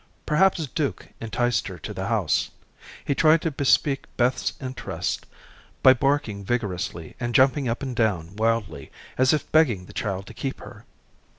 Perhaps Duke enticed her to the house. He tried to bespeak Beth's interest by barking vigorously and jumping up and down wildly, as if begging the child to keep her.